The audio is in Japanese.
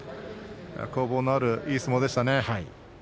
攻防のあるいい相撲でしたね。